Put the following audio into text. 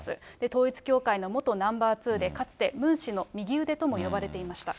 統一教会の元ナンバー２で、かつてムン氏の右腕とも呼ばれていました。